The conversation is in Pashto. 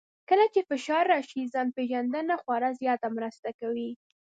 کله چې فشار راشي، ځان پېژندنه خورا زیاته مرسته کوي.